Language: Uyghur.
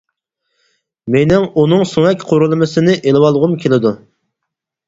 مېنىڭ ئۇنىڭ سۆڭەك قۇرۇلمىسىنى ئېلىۋالغۇم كېلىدۇ.